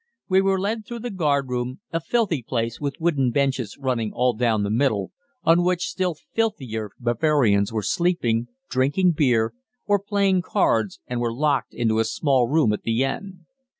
We were led through the guardroom, a filthy place with wooden benches running all down the middle, on which still filthier Bavarians were sleeping, drinking beer, or playing cards, and were locked into a small room at the end.